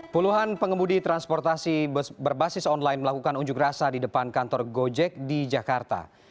puluhan pengemudi transportasi berbasis online melakukan unjuk rasa di depan kantor gojek di jakarta